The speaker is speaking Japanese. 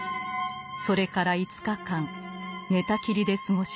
それから５日間寝たきりで過ごします。